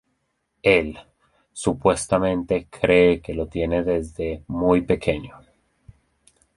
Él, supuestamente, cree que lo tiene desde muy pequeño.